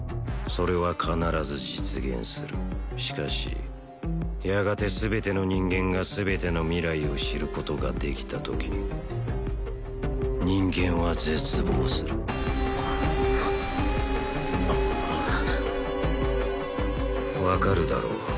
それは必ず実現するしかしやがて全ての人間が全ての未来を知ることができたとき人間は絶望する分かるだろう